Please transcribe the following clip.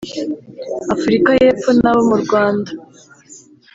Afurika y’Epfo n’abo mu Rwanda